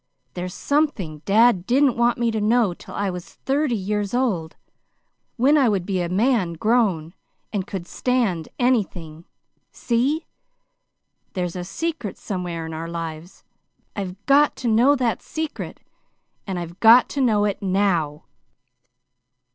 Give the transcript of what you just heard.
There's something dad didn't want me to know till I was thirty years old when I would be a man grown, and could stand anything. See? There's a secret somewhere in our lives. I've got to know that secret, and I've got to know it now."